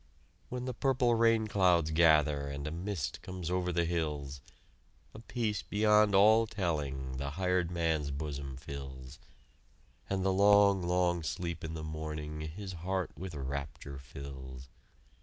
When the purple rain clouds gather And a mist comes over the hills, A peace beyond all telling The hired man's bosom fills, And the long, long sleep in the morning His heart with rapture fills.